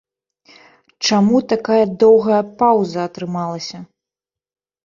Чаму такая доўгая паўза атрымалася?